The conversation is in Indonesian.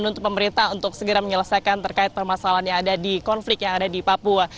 dan untuk pemerintah untuk segera menyelesaikan terkait permasalahan yang ada di konflik yang ada di papua